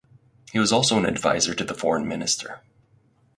He was also an advisor to the foreign minister.